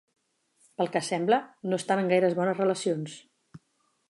Pel que sembla, no estan en gaire bones relacions.